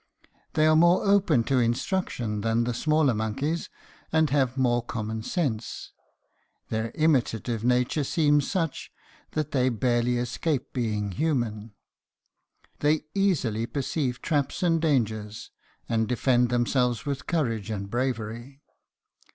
They are more open to instruction than the smaller monkeys and have more common sense. Their imitative nature seems such that they barely escape being human. They easily perceive traps and dangers, and defend themselves with courage and bravery.